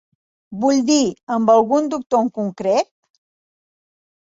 Vull dir amb algun Doctor en concret?